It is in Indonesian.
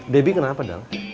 debi kenapa dal